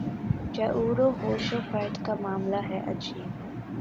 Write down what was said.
شعور و ہوش و خرد کا معاملہ ہے عجیب